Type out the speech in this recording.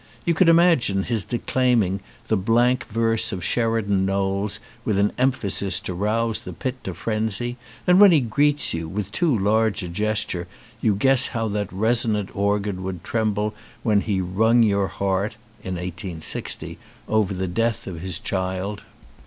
You can imagine his declaiming the blank verse of Sheridan Knowles with an emphasis to rouse the pit to frenzy, and when he greets you, with too large a gesture, you guess how that resonant organ would tremble when he wrung your heart (in 1860) over the death of his child.